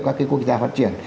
các cái quốc gia phát triển